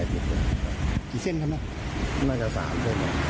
ติดไปอีกเส้นค่ะน่าจะสามเท่านั้น